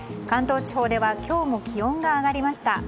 関東地方では今日も気温が上がりました。